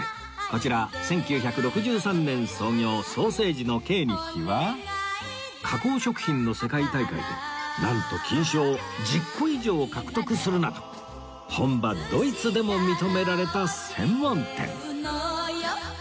こちら１９６３年創業ソーセージのケーニッヒは加工食品の世界大会でなんと金賞を１０個以上獲得するなど本場ドイツでも認められた専門店